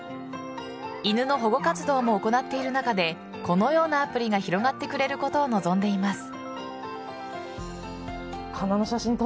犬の保護活動も行っている中でこのようなアプリが広がってくれることを望んでいます。